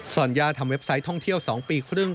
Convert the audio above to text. สัญญาทำเว็บไซต์ท่องเที่ยว๒ปีครึ่ง